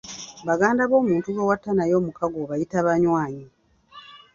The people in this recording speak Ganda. Baganda b’omuntu gwe watta naye omukago obayita Banywanyi.